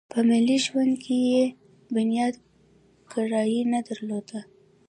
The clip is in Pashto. په عملي ژوند کې یې بنياد ګرايي نه درلوده.